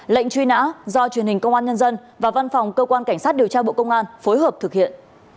lệnh truy nã do truyền hình công an nhân dân và văn phòng cơ quan cảnh sát điều tra bộ công an phối hợp thực hiện